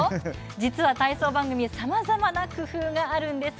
実は体操番組さまざまな工夫があるんです。